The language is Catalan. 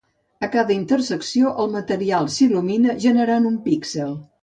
A cada intersecció, el material s'il·lumina, generant un píxel.